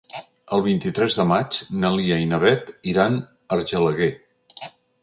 El vint-i-tres de maig na Lia i na Beth iran a Argelaguer.